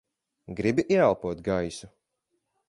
Gribi ieelpot gaisu?